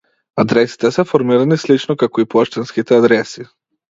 Адресите се формирани слично како и поштенските адреси.